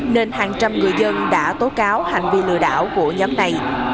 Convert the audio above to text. nên hàng trăm người dân đã tố cáo hành vi lừa đảo của nhóm này